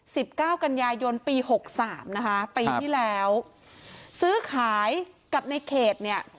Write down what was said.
สิบเก้ากันยายนปีหกสามนะคะปีที่แล้วซื้อขายกับในเขตเนี่ย